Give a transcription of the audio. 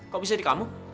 kok bisa di kamu